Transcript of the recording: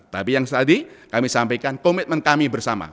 tapi yang tadi kami sampaikan komitmen kami bersama